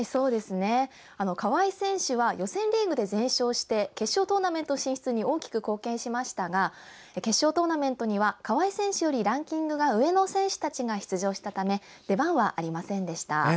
川合選手は予選リーグで全勝して決勝トーナメント進出に大きく貢献しましたが決勝トーナメントには川合選手よりランキングが上の選手たちが出場したため出番はありませんでした。